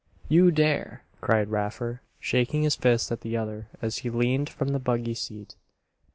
"You dare!" cried Raffer, shaking his fist at the other as he leaned from the buggy seat.